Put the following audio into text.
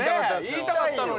言いたかったのに。